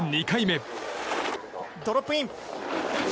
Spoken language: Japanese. ２回目。